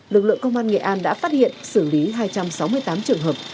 lực lượng công an nghệ an đã phát hiện xử lý hai trăm sáu mươi tám trường hợp